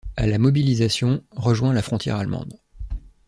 À la mobilisation, rejoint la frontière allemande.